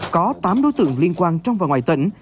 có tám đối tượng liên quan trong và ngoài tỉnh